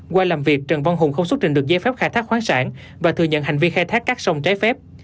qua làm việc trần văn hùng không xuất trình được giấy phép khai thác khoáng sản và thừa nhận hành vi khai thác các sông trái phép